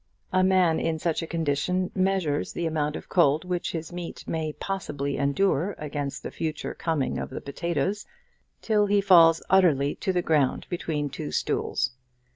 A man in such a condition measures the amount of cold which his meat may possibly endure against the future coming of the potatoes, till he falls utterly to the ground between two stools.